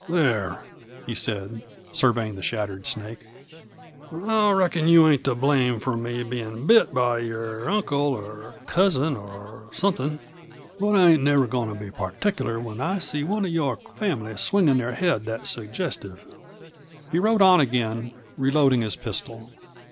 "There," he said, surveying the shattered snake, "I reckon you ain't to blame for me bein' bit by your uncle or cousin, or somethin', but I ain't never goin' to be particular when I see one of your family swingin' their head that suggestive." He rode on again, reloading his pistol.